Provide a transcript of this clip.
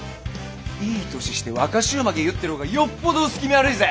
いい年して若衆髷結ってる方がよっぽど薄気味悪いぜ！